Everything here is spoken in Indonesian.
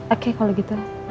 oke kalau gitu